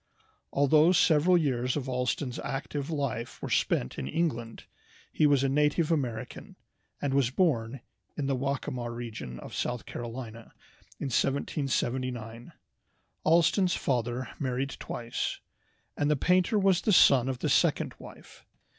Although several years of Allston's active life were spent in England, he was a native American, and was born in the Waccamaw region of South Carolina in 1779. Allston's father married twice, and the painter was the son of the second wife.